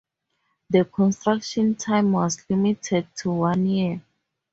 The construction time was limited to one year.